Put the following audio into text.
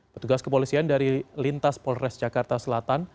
petugas kepolisian dari lintas polres jakarta selatan